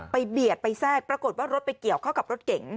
เบียดไปแทรกปรากฏว่ารถไปเกี่ยวเข้ากับรถเก๋ง